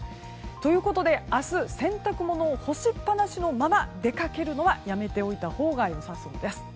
ということで明日洗濯物を干しっぱなしのまま出かけるのはやめておいたほうが良さそうです。